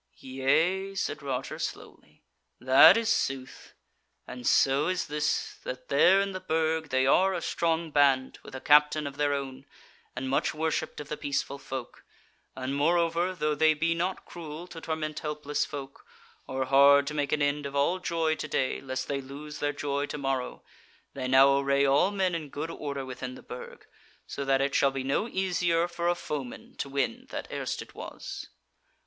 "Yea," said Roger slowly, "that is sooth; and so is this, that there in the Burg they are a strong band, with a captain of their own, and much worshipped of the peaceful folk; and moreover, though they be not cruel to torment helpless folk, or hard to make an end of all joy to day, lest they lose their joy to morrow, they now array all men in good order within the Burg, so that it shall be no easier for a foeman to win that erst it was."